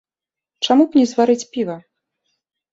Чаму б не зварыць піва?